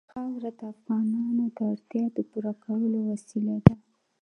خاوره د افغانانو د اړتیاوو د پوره کولو وسیله ده.